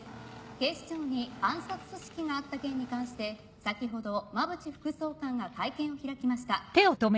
警視庁に暗殺組織があった件に関して先ほど馬渕副総監が会見を開きました。